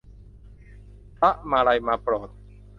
พระมาลัยมาโปรด